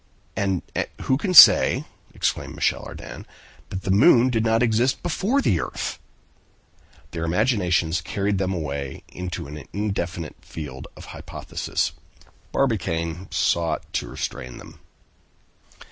"And who can say," exclaimed Michel Ardan, "that the moon did not exist before the earth?" Their imaginations carried them away into an indefinite field of hypothesis. Barbicane sought to restrain them.